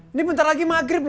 ini bentar lagi maghrib